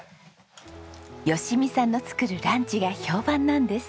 吉美さんの作るランチが評判なんです。